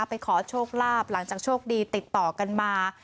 ขอโชคลาภหลังจากโชคดีติดต่อกันมา